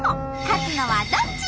勝つのはどっち！？